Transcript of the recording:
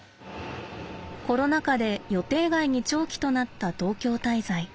コロナ禍で予定外に長期となった東京滞在。